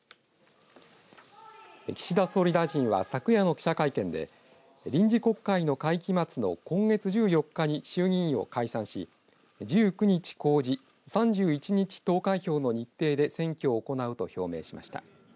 岸田総理大臣は昨夜の記者会見で臨時国会の会期末の今月１４日に衆議院を解散し１９日公示３１日投開票の日程で選挙を行うと表明しました。